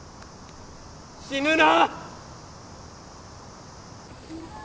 死ぬな！